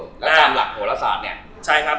แล้วจามหลักโหรศาสตร์เนี่ย